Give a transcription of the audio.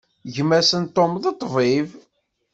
Gma-s n Tom, d ṭṭbib.